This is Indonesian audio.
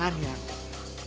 jangan kata prasmanan ya